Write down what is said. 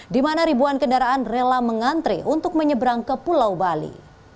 di mana ribuan kendaraan rela mengantre untuk menyeberang ke pulau bali